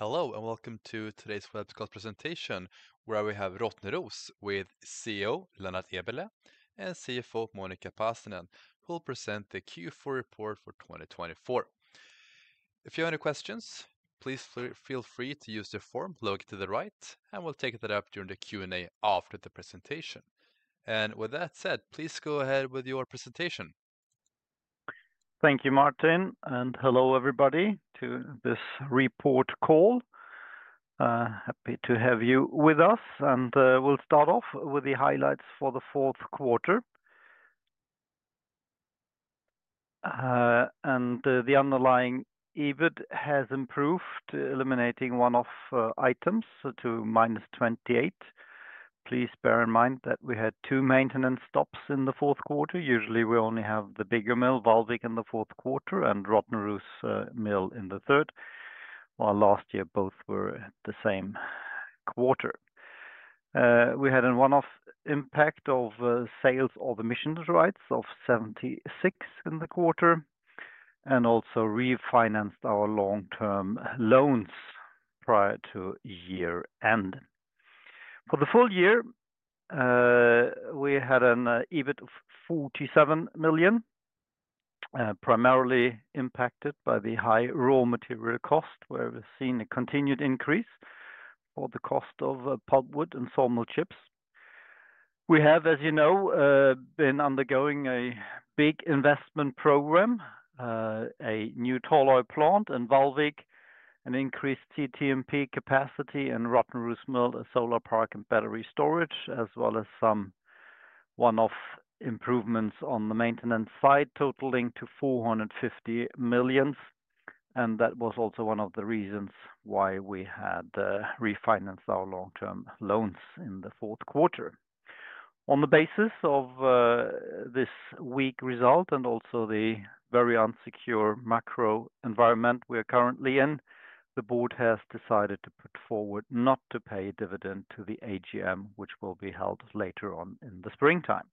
Hello, and welcome to today's webcast presentation, where we have Rottneros with CEO Lennart Eberleh and CFO Monica Pasanen, who will present the Q4 report for 2024. If you have any questions, please feel free to use the form located to the right, and we'll take that up during the Q&A after the presentation. With that said, please go ahead with your presentation. Thank you, Martin, and hello everybody to this report call. Happy to have you with us, and we'll start off with the highlights for the fourth quarter. The underlying EBIT has improved, eliminating one-off items to minus 28. Please bear in mind that we had two maintenance stops in the fourth quarter. Usually, we only have the bigger mill, Vallvik, in the fourth quarter, and Rottneros Mill in the third, while last year both were the same quarter. We had a one-off impact of sales of emission rights of 76 million in the quarter, and also refinanced our long-term loans prior to year-end. For the full year, we had an EBIT of 47 million, primarily impacted by the high raw material cost, where we've seen a continued increase for the cost of pulpwood and sawmill chips. We have, as you know, been undergoing a big investment program, a new tall oil plant in Vallvik, an increased CTMP capacity in Rottneros Mill, a solar park and battery storage, as well as some one-off improvements on the maintenance side totaling to 450 million. That was also one of the reasons why we had refinanced our long-term loans in the fourth quarter. On the basis of this weak result and also the very unsecure macro environment we are currently in, the board has decided to put forward not to pay a dividend to the AGM, which will be held later on in the springtime.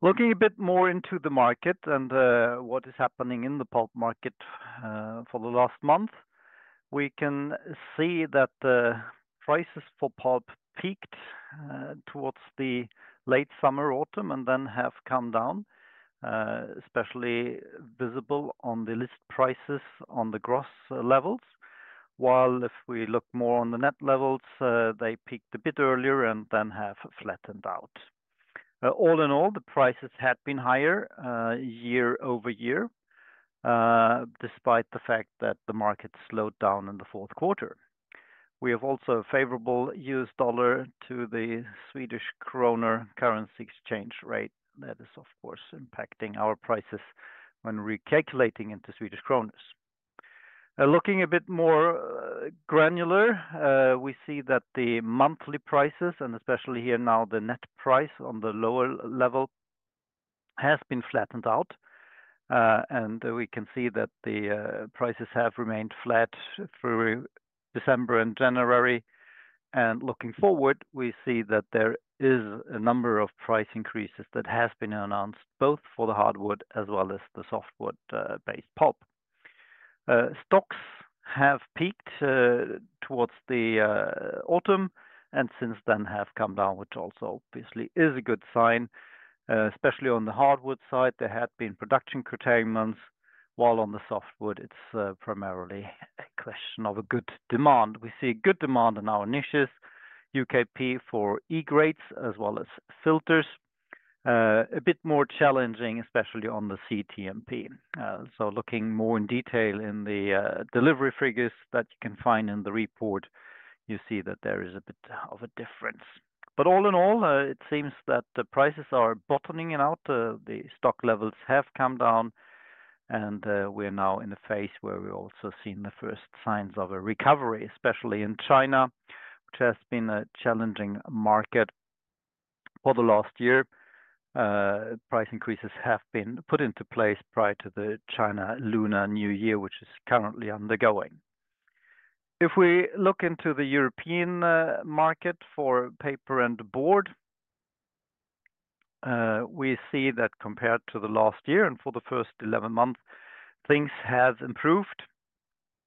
Looking a bit more into the market and what is happening in the pulp market for the last month, we can see that the prices for pulp peaked towards the late summer, autumn, and then have come down, especially visible on the list prices on the gross levels. While if we look more on the net levels, they peaked a bit earlier and then have flattened out. All in all, the prices had been higher year over year, despite the fact that the market slowed down in the fourth quarter. We have also a favorable US dollar to the Swedish krona currency exchange rate. That is, of course, impacting our prices when recalculating into Swedish kronor. Looking a bit more granular, we see that the monthly prices, and especially here now the net price on the lower level, has been flattened out. We can see that the prices have remained flat through December and January. Looking forward, we see that there is a number of price increases that have been announced, both for the hardwood as well as the softwood-based pulp. Stocks have peaked towards the autumn and since then have come down, which also obviously is a good sign, especially on the hardwood side. There had been production curtailments, while on the softwood, it is primarily a question of good demand. We see good demand in our niches, UKP for E-grades as well as filters. A bit more challenging, especially on the CTMP. Looking more in detail in the delivery figures that you can find in the report, you see that there is a bit of a difference. All in all, it seems that the prices are bottoming out. The stock levels have come down, and we're now in a phase where we've also seen the first signs of a recovery, especially in China, which has been a challenging market for the last year. Price increases have been put into place prior to the China Lunar New Year, which is currently undergoing. If we look into the European market for paper and board, we see that compared to the last year and for the first 11 months, things have improved.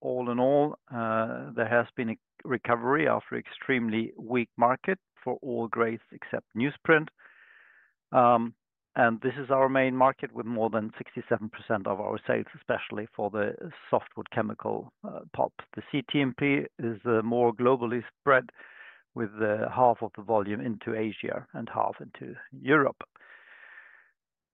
All in all, there has been a recovery after an extremely weak market for all grades except newsprint. This is our main market with more than 67% of our sales, especially for the softwood chemical pulp. The CTMP is more globally spread, with half of the volume into Asia and half into Europe.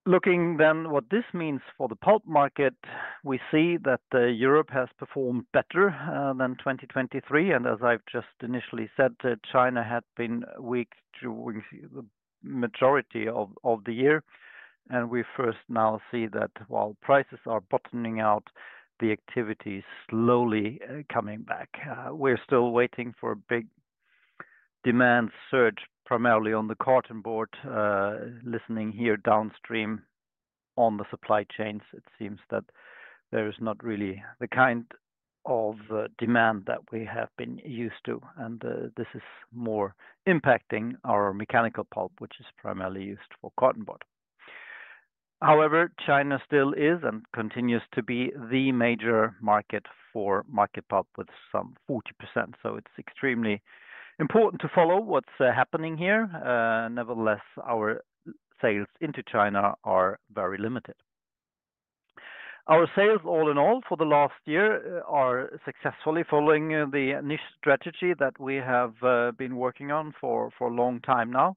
Looking then at what this means for the pulp market, we see that Europe has performed better than 2023. As I have just initially said, China had been weak during the majority of the year. We first now see that while prices are bottoming out, the activity is slowly coming back. We are still waiting for a big demand surge, primarily on the carton board. Listening here downstream on the supply chains, it seems that there is not really the kind of demand that we have been used to. This is more impacting our mechanical pulp, which is primarily used for cotton bud. However, China still is and continues to be the major market for market pulp with some 40%. It is extremely important to follow what is happening here. Nevertheless, our sales into China are very limited. Our sales, all in all, for the last year are successfully following the niche strategy that we have been working on for a long time now.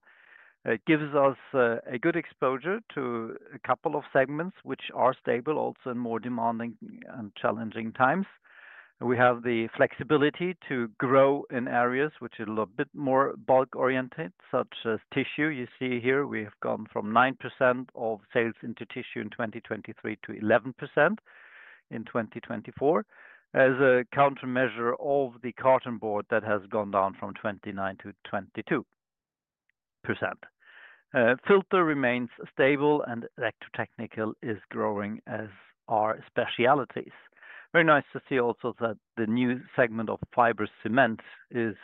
It gives us a good exposure to a couple of segments which are stable, also in more demanding and challenging times. We have the flexibility to grow in areas which are a bit more bulk-oriented, such as tissue. You see here, we have gone from 9% of sales into tissue in 2023 to 11% in 2024, as a countermeasure of the carton board that has gone down from 29% to 22%. Filter remains stable, and electrotechnical is growing as are specialities. Very nice to see also that the new segment of fiber cement is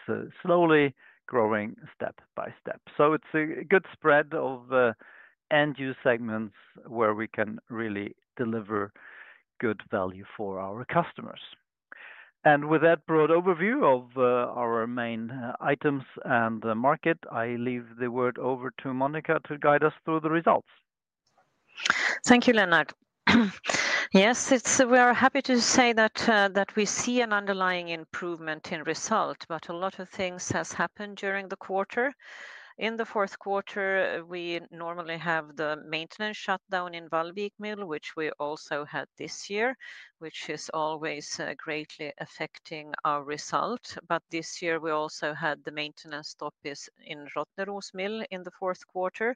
slowly growing step by step. It is a good spread of end-use segments where we can really deliver good value for our customers. With that broad overview of our main items and the market, I leave the word over to Monica to guide us through the results. Thank you, Lennart. Yes, we are happy to say that we see an underlying improvement in result, but a lot of things have happened during the quarter. In the fourth quarter, we normally have the maintenance shutdown in Vallvik Mill, which we also had this year, which is always greatly affecting our result. This year, we also had the maintenance stoppage in Rottneros Mill in the fourth quarter,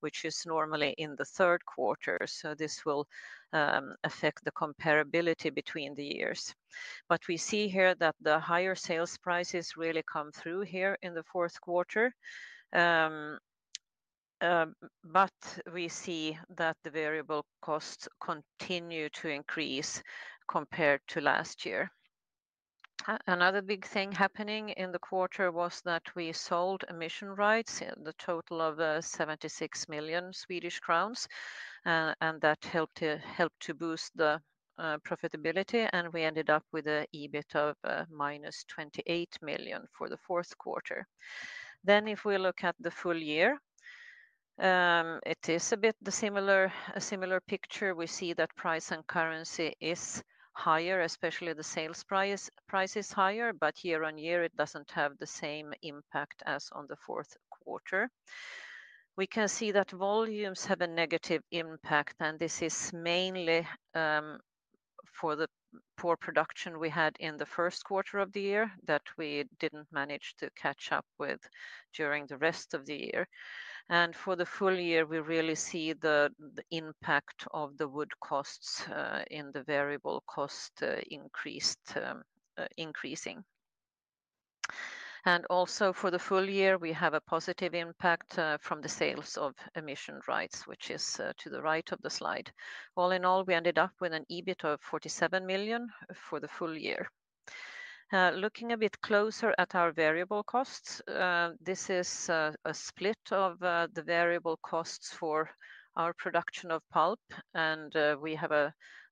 which is normally in the third quarter. This will affect the comparability between the years. We see here that the higher sales prices really come through here in the fourth quarter. We see that the variable costs continue to increase compared to last year. Another big thing happening in the quarter was that we sold emission rights, the total of 76 million Swedish crowns, and that helped to boost the profitability. We ended up with an EBIT of minus 28 million for the fourth quarter. If we look at the full year, it is a bit a similar picture. We see that price and currency is higher, especially the sales price is higher, but year on year, it does not have the same impact as on the fourth quarter. We can see that volumes have a negative impact, and this is mainly for the poor production we had in the first quarter of the year that we did not manage to catch up with during the rest of the year. For the full year, we really see the impact of the wood costs in the variable cost increasing. Also for the full year, we have a positive impact from the sales of emission rights, which is to the right of the slide. All in all, we ended up with an EBIT of 47 million for the full year. Looking a bit closer at our variable costs, this is a split of the variable costs for our production of pulp.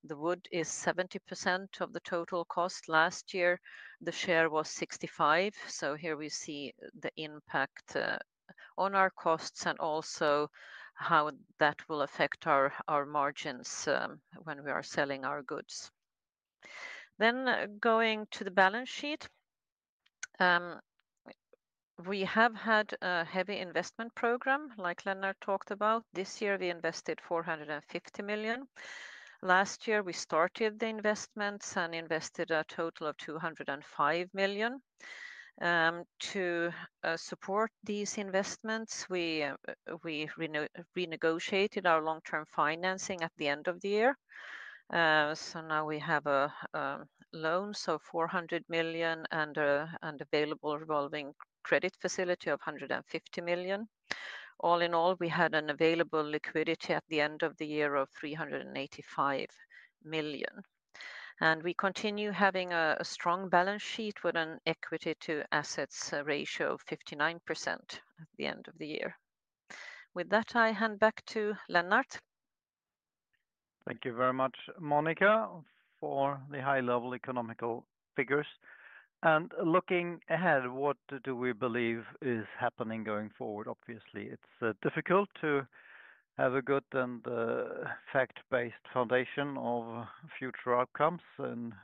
The wood is 70% of the total cost. Last year, the share was 65%. Here we see the impact on our costs and also how that will affect our margins when we are selling our goods. Going to the balance sheet, we have had a heavy investment program, like Lennart talked about. This year, we invested 450 million. Last year, we started the investments and invested a total of 205 million. To support these investments, we renegotiated our long-term financing at the end of the year. Now we have a loan of 400 million and an available revolving credit facility of 150 million. All in all, we had an available liquidity at the end of the year of 385 million. We continue having a strong balance sheet with an equity to assets ratio of 59% at the end of the year. With that, I hand back to Lennart. Thank you very much, Monica, for the high-level economical figures. Looking ahead, what do we believe is happening going forward? Obviously, it's difficult to have a good and fact-based foundation of future outcomes in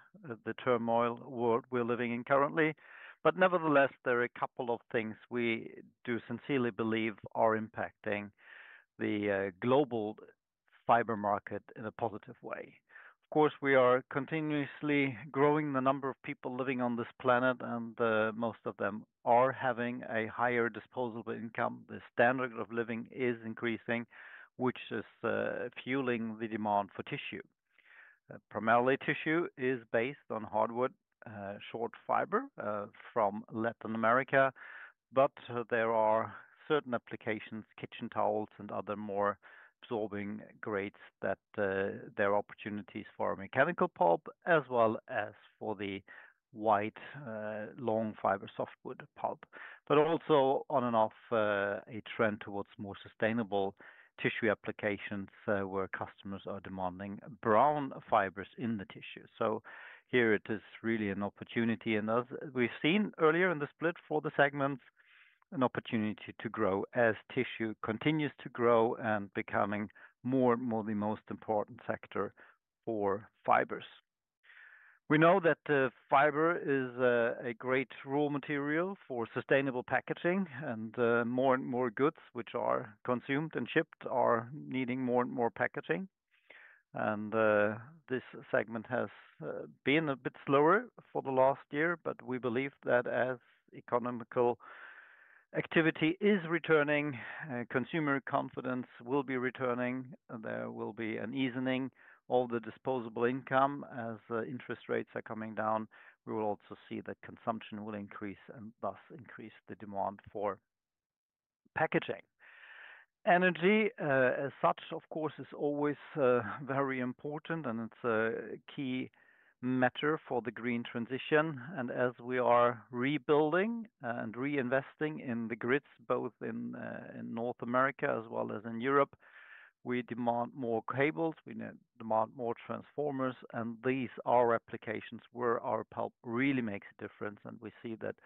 the turmoil we're living in currently. Nevertheless, there are a couple of things we do sincerely believe are impacting the global fiber market in a positive way. Of course, we are continuously growing the number of people living on this planet, and most of them are having a higher disposable income. The standard of living is increasing, which is fueling the demand for tissue. Primarily, tissue is based on hardwood, short fiber from Latin America. There are certain applications, kitchen towels and other more absorbing grades that there are opportunities for mechanical pulp, as well as for the white long fiber softwood pulp. is also, on and off, a trend towards more sustainable tissue applications where customers are demanding brown fibers in the tissue. Here, it is really an opportunity. As we've seen earlier in the split for the segments, it is an opportunity to grow as tissue continues to grow and becomes more and more the most important sector for fibers. We know that fiber is a great raw material for sustainable packaging, and more and more goods which are consumed and shipped are needing more and more packaging. This segment has been a bit slower for the last year, but we believe that as economic activity is returning, consumer confidence will be returning, and there will be an easing of the disposable income as interest rates are coming down. We will also see that consumption will increase and thus increase the demand for packaging. Energy, as such, of course, is always very important, and it is a key matter for the green transition. As we are rebuilding and reinvesting in the grids, both in North America as well as in Europe, we demand more cables, we demand more transformers, and these are applications where our pulp really makes a difference. We see that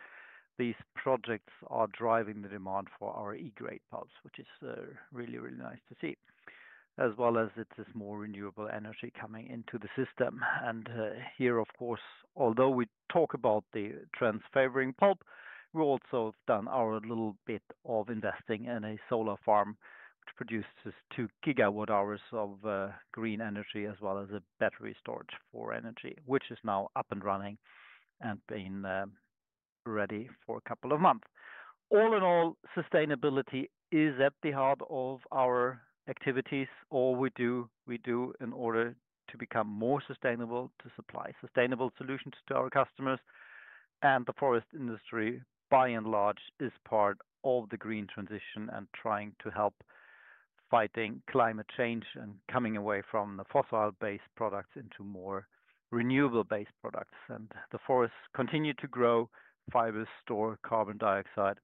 these projects are driving the demand for our E-grade pulps, which is really, really nice to see, as well as it is more renewable energy coming into the system. Here, of course, although we talk about the trends favoring pulp, we also have done our little bit of investing in a solar park which produces 2 GWh of green energy, as well as a battery storage for energy, which is now up and running and being ready for a couple of months. All in all, sustainability is at the heart of our activities, all we do in order to become more sustainable, to supply sustainable solutions to our customers. The forest industry, by and large, is part of the green transition and trying to help fighting climate change and coming away from the fossil-based products into more renewable-based products. The forests continue to grow, fibers store carbon dioxide,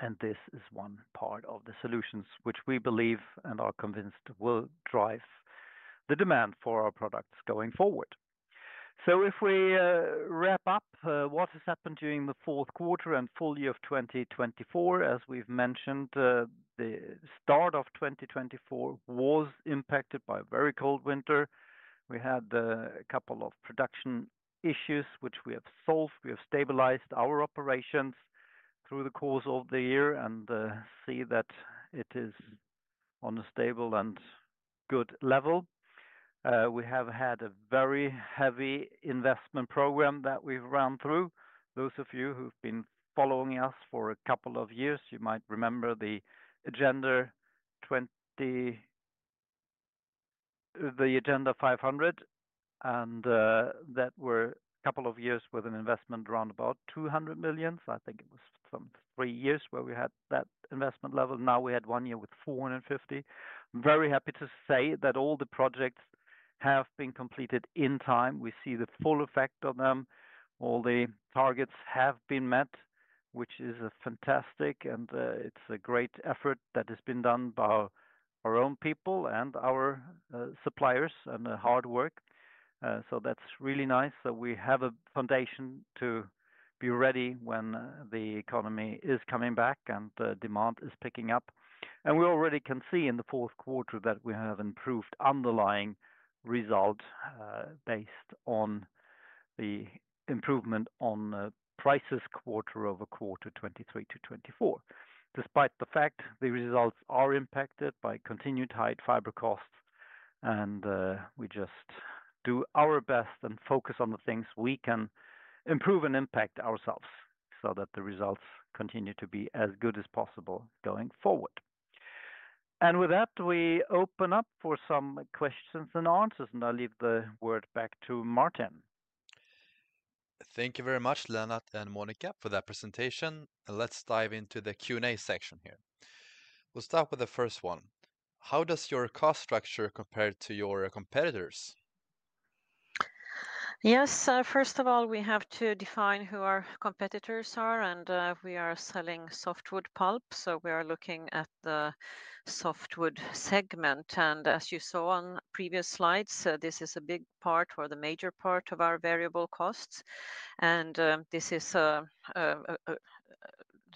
and this is one part of the solutions which we believe and are convinced will drive the demand for our products going forward. If we wrap up what has happened during the fourth quarter and full year of 2024, as we've mentioned, the start of 2024 was impacted by a very cold winter. We had a couple of production issues which we have solved. We have stabilized our operations through the course of the year and see that it is on a stable and good level. We have had a very heavy investment program that we've run through. Those of you who've been following us for a couple of years, you might remember the agenda 500, and that were a couple of years with an investment around about 200 million. I think it was some three years where we had that investment level. Now we had one year with 450 million. I'm very happy to say that all the projects have been completed in time. We see the full effect of them. All the targets have been met, which is fantastic, and it's a great effort that has been done by our own people and our suppliers and the hard work. That's really nice that we have a foundation to be ready when the economy is coming back and the demand is picking up. We already can see in the fourth quarter that we have improved underlying result based on the improvement on prices quarter over quarter 2023 to 2024. Despite the fact the results are impacted by continued high fiber costs, we just do our best and focus on the things we can improve and impact ourselves so that the results continue to be as good as possible going forward. With that, we open up for some questions and answers, and I'll leave the word back to Martin. Thank you very much, Lennart and Monica, for that presentation. Let's dive into the Q&A section here. We'll start with the first one. How does your cost structure compare to your competitors? Yes, first of all, we have to define who our competitors are, and we are selling softwood pulp. We are looking at the softwood segment. As you saw on previous slides, this is a big part or the major part of our variable costs. This is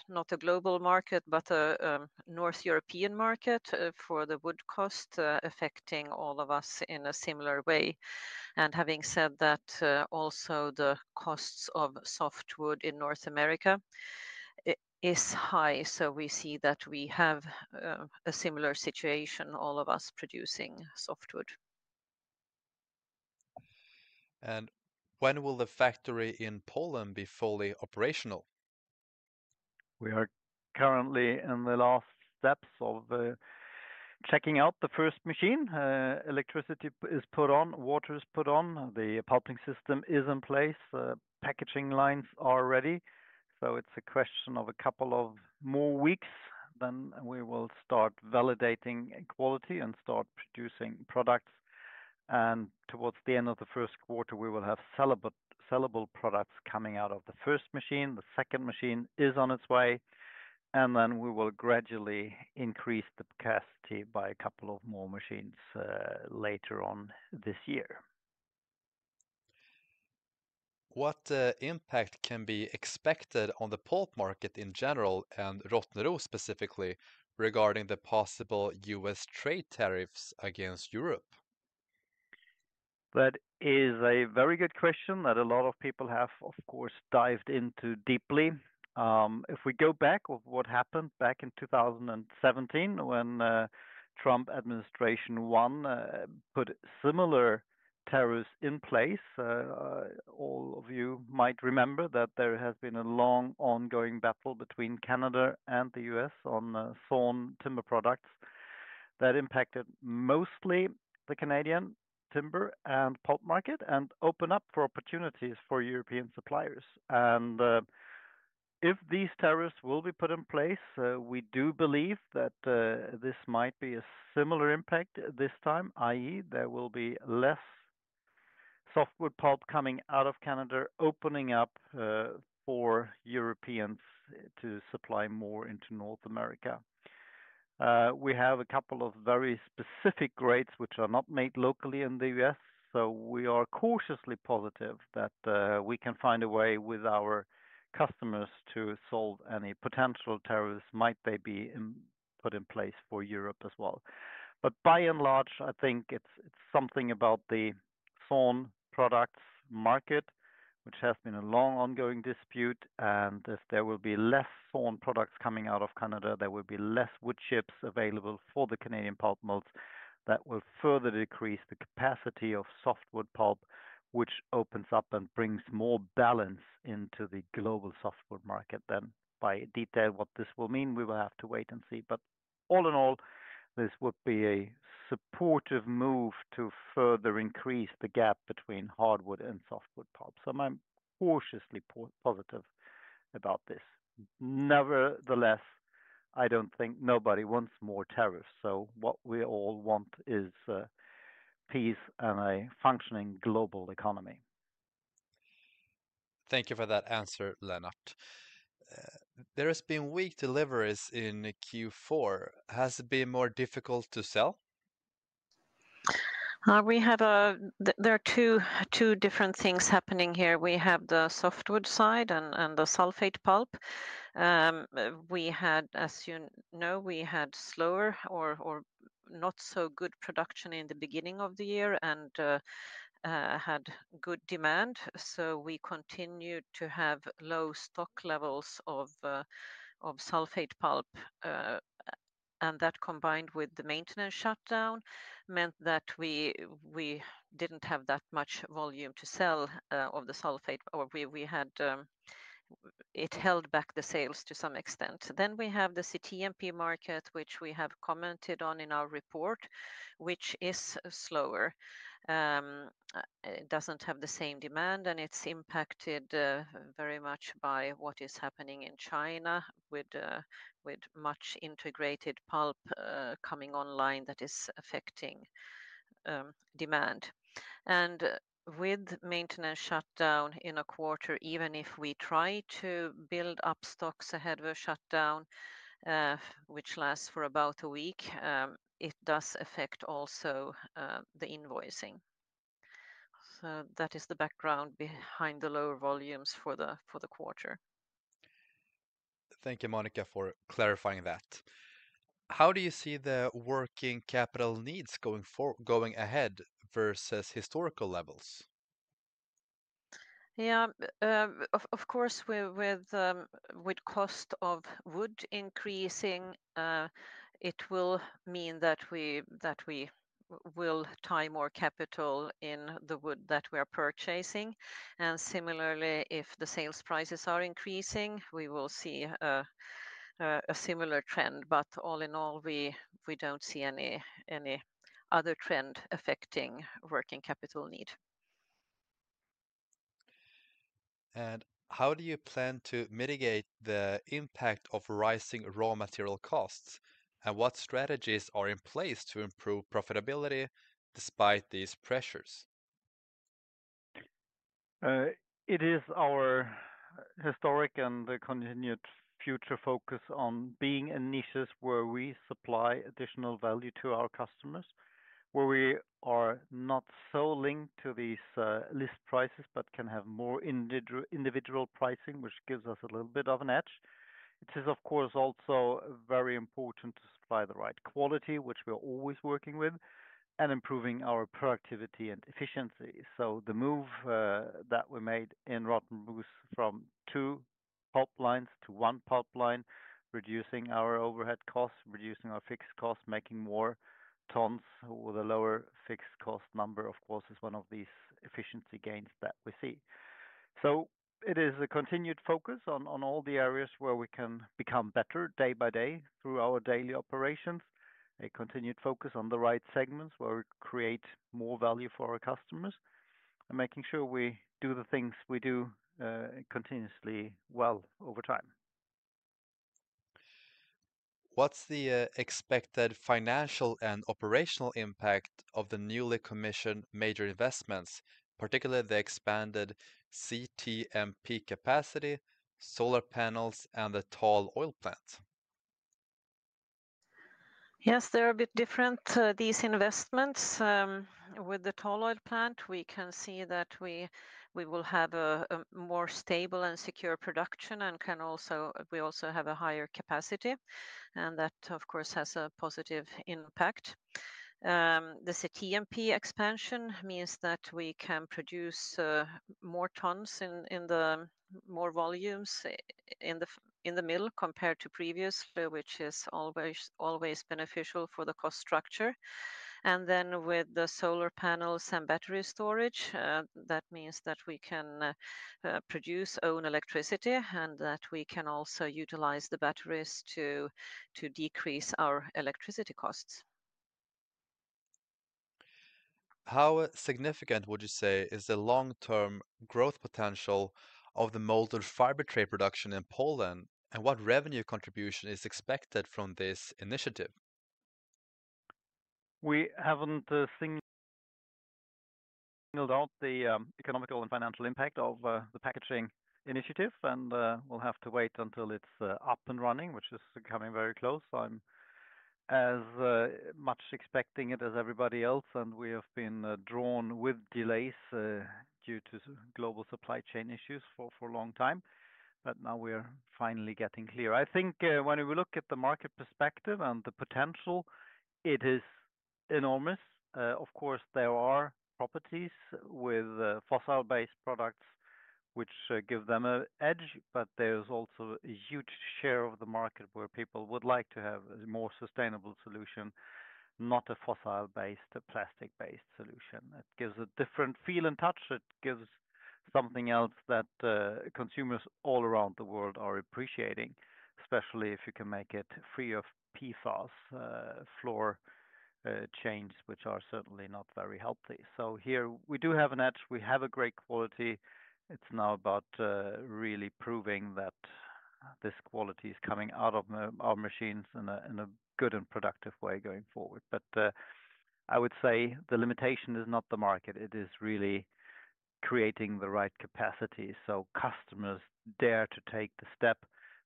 not a global market, but a North European market for the wood cost affecting all of us in a similar way. Having said that, also the costs of softwood in North America is high. We see that we have a similar situation, all of us producing softwood. When will the factory in Poland be fully operational? We are currently in the last steps of checking out the first machine. Electricity is put on, water is put on, the pumping system is in place, packaging lines are ready. It is a question of a couple of more weeks, then we will start validating quality and start producing products. Towards the end of the first quarter, we will have sellable products coming out of the first machine. The second machine is on its way. We will gradually increase the capacity by a couple of more machines later on this year. What impact can be expected on the pulp market in general and Rottneros specifically regarding the possible US trade tariffs against Europe? That is a very good question that a lot of people have, of course, dived into deeply. If we go back to what happened back in 2017 when the Trump administration won, put similar tariffs in place, all of you might remember that there has been a long ongoing battle between Canada and the U.S. on thorn timber products that impacted mostly the Canadian timber and pulp market and opened up for opportunities for European suppliers. If these tariffs will be put in place, we do believe that this might be a similar impact this time, i.e., there will be less softwood pulp coming out of Canada opening up for Europeans to supply more into North America. We have a couple of very specific grades which are not made locally in the U.S., so we are cautiously positive that we can find a way with our customers to solve any potential tariffs might they be put in place for Europe as well. By and large, I think it's something about the thorn products market, which has been a long ongoing dispute. If there will be less thorn products coming out of Canada, there will be less wood chips available for the Canadian pulp mills that will further decrease the capacity of softwood pulp, which opens up and brings more balance into the global softwood market. By detail what this will mean, we will have to wait and see. All in all, this would be a supportive move to further increase the gap between hardwood and softwood pulp. I'm cautiously positive about this. Nevertheless, I don't think nobody wants more tariffs. What we all want is peace and a functioning global economy. Thank you for that answer, Lennart. There have been weak deliveries in Q4. Has it been more difficult to sell? There are two different things happening here. We have the softwood side and the sulfate pulp. We had, as you know, we had slower or not so good production in the beginning of the year and had good demand. We continued to have low stock levels of sulfate pulp. That combined with the maintenance shutdown meant that we did not have that much volume to sell of the sulfate. It held back the sales to some extent. We have the CTMP market, which we have commented on in our report, which is slower. It does not have the same demand, and it is impacted very much by what is happening in China with much integrated pulp coming online that is affecting demand. With maintenance shutdown in a quarter, even if we try to build up stocks ahead of a shutdown, which lasts for about a week, it does affect also the invoicing. That is the background behind the lower volumes for the quarter. Thank you, Monica, for clarifying that. How do you see the working capital needs going forward, going ahead versus historical levels? Yeah, of course, with cost of wood increasing, it will mean that we will tie more capital in the wood that we are purchasing. Similarly, if the sales prices are increasing, we will see a similar trend. All in all, we do not see any other trend affecting working capital need. How do you plan to mitigate the impact of rising raw material costs? What strategies are in place to improve profitability despite these pressures? It is our historic and continued future focus on being in niches where we supply additional value to our customers, where we are not so linked to these list prices, but can have more individual pricing, which gives us a little bit of an edge. It is, of course, also very important to supply the right quality, which we are always working with, and improving our productivity and efficiency. The move that we made in Rottneros from two pipelines to one pipeline, reducing our overhead costs, reducing our fixed costs, making more tons with a lower fixed cost number, of course, is one of these efficiency gains that we see. It is a continued focus on all the areas where we can become better day by day through our daily operations, a continued focus on the right segments where we create more value for our customers, and making sure we do the things we do continuously well over time. What's the expected financial and operational impact of the newly commissioned major investments, particularly the expanded CTMP capacity, solar panels, and the tall oil plant? Yes, they're a bit different, these investments. With the tall oil plant, we can see that we will have a more stable and secure production and we also have a higher capacity. That, of course, has a positive impact. The CTMP expansion means that we can produce more tons in the more volumes in the mill compared to previous, which is always beneficial for the cost structure. With the solar panels and battery storage, that means that we can produce own electricity and that we can also utilize the batteries to decrease our electricity costs. How significant would you say is the long-term growth potential of the molded fiber tray production in Poland and what revenue contribution is expected from this initiative? We haven't singled out the economical and financial impact of the packaging initiative, and we'll have to wait until it's up and running, which is coming very close. I'm as much expecting it as everybody else, and we have been drawn with delays due to global supply chain issues for a long time. Now we are finally getting clear. I think when we look at the market perspective and the potential, it is enormous. Of course, there are properties with fossil-based products which give them an edge, but there's also a huge share of the market where people would like to have a more sustainable solution, not a fossil-based, plastic-based solution. It gives a different feel and touch. It gives something else that consumers all around the world are appreciating, especially if you can make it free of PFAS, fluorine chains, which are certainly not very healthy. Here we do have an edge. We have a great quality. It's now about really proving that this quality is coming out of our machines in a good and productive way going forward. I would say the limitation is not the market. It is really creating the right capacity so customers dare to take the step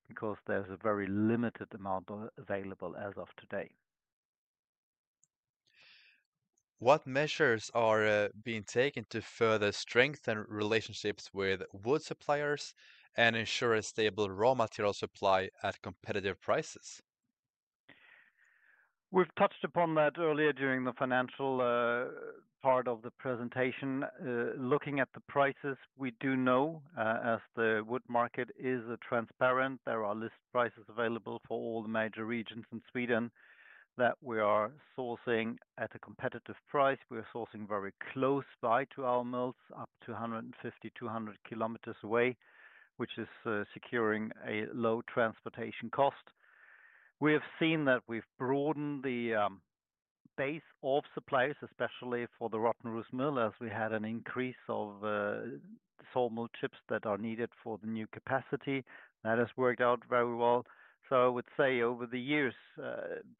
because there's a very limited amount available as of today. What measures are being taken to further strengthen relationships with wood suppliers and ensure a stable raw material supply at competitive prices? We've touched upon that earlier during the financial part of the presentation. Looking at the prices, we do know as the wood market is transparent, there are list prices available for all the major regions in Sweden that we are sourcing at a competitive price. We are sourcing very close by to our mills, up to 150-200 kilometers away, which is securing a low transportation cost. We have seen that we've broadened the base of suppliers, especially for the Rottneros Mill, as we had an increase of sawmill chips that are needed for the new capacity. That has worked out very well. I would say over the years,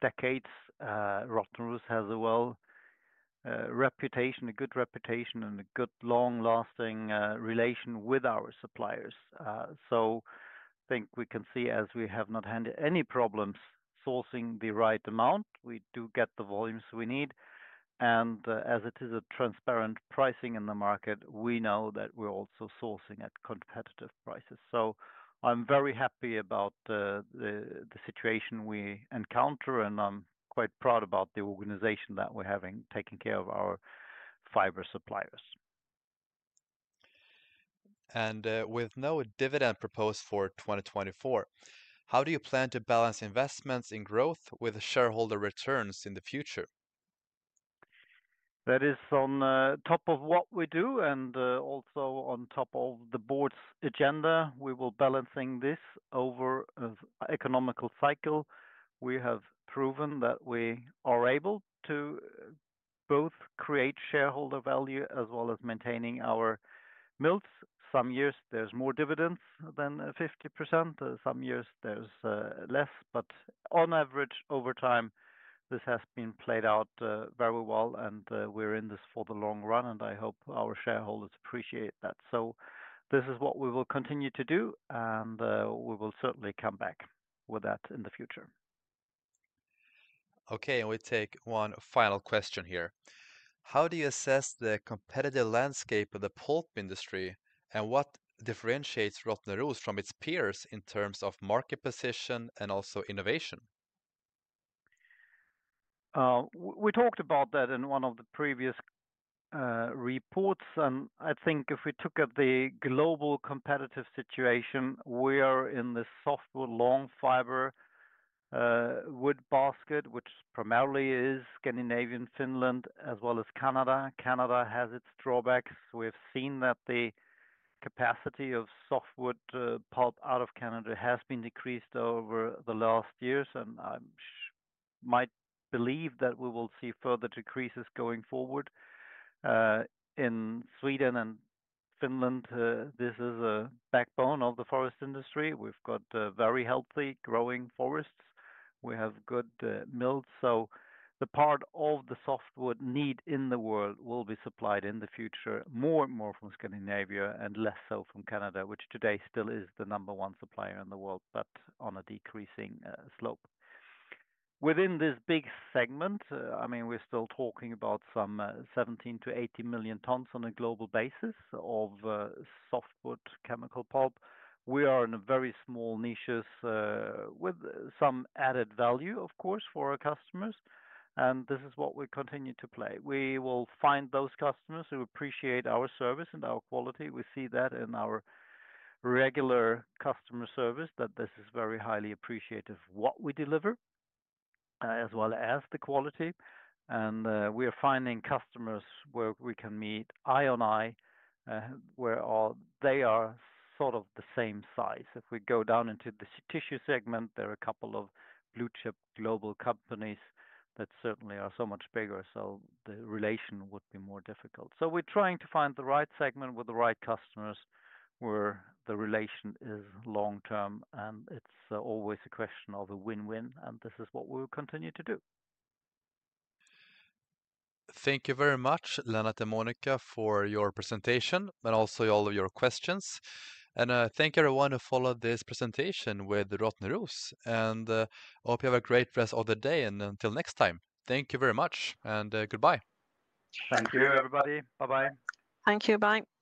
decades, Rottneros has a well reputation, a good reputation, and a good long-lasting relation with our suppliers. I think we can see as we have not had any problems sourcing the right amount. We do get the volumes we need. As it is a transparent pricing in the market, we know that we're also sourcing at competitive prices. I'm very happy about the situation we encounter, and I'm quite proud about the organization that we're having taking care of our fiber suppliers. With no dividend proposed for 2024, how do you plan to balance investments in growth with shareholder returns in the future? That is on top of what we do and also on top of the board's agenda. We will be balancing this over an economical cycle. We have proven that we are able to both create shareholder value as well as maintaining our mills. Some years there is more dividends than 50%. Some years there is less. On average, over time, this has been played out very well, and we are in this for the long run. I hope our shareholders appreciate that. This is what we will continue to do, and we will certainly come back with that in the future. Okay, and we take one final question here. How do you assess the competitive landscape of the pulp industry and what differentiates Rottneros from its peers in terms of market position and also innovation? We talked about that in one of the previous reports. I think if we took up the global competitive situation, we are in the softwood long fiber wood basket, which primarily is Scandinavian, Finland, as well as Canada. Canada has its drawbacks. We have seen that the capacity of softwood pulp out of Canada has been decreased over the last years, and I might believe that we will see further decreases going forward. In Sweden and Finland, this is a backbone of the forest industry. We have very healthy growing forests. We have good mills. The part of the softwood need in the world will be supplied in the future more and more from Scandinavia and less so from Canada, which today still is the number one supplier in the world, but on a decreasing slope. Within this big segment, I mean, we're still talking about some 17-80 million tons on a global basis of softwood chemical pulp. We are in very small niches with some added value, of course, for our customers. This is what we continue to play. We will find those customers who appreciate our service and our quality. We see that in our regular customer service that this is very highly appreciative of what we deliver, as well as the quality. We are finding customers where we can meet eye on eye, where they are sort of the same size. If we go down into the tissue segment, there are a couple of blue-chip global companies that certainly are so much bigger. The relation would be more difficult. We're trying to find the right segment with the right customers where the relation is long-term, and it's always a question of a win-win. This is what we will continue to do. Thank you very much, Lennart and Monica, for your presentation, but also all of your questions. Thank everyone who followed this presentation with Rottneros. I hope you have a great rest of the day. Until next time, thank you very much and goodbye. Thank you, everybody. Bye-bye. Thank you. Bye.